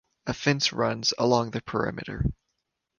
A fence runs along the perimeter.